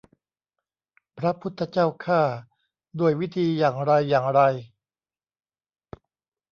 พระพุทธเจ้าข้า ด้วยวิธีอย่างไรอย่างไร